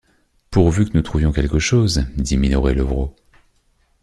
Pourvu que nous trouvions quelque chose, dit Minoret-Levrault.